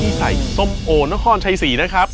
ใส่ส้มโอนครชัยศรีนะครับ